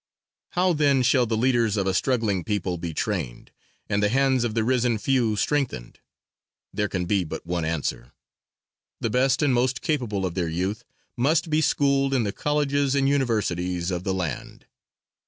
How then shall the leaders of a struggling people be trained and the hands of the risen few strengthened? There can be but one answer: The best and most capable of their youth must be schooled in the colleges and universities of the land.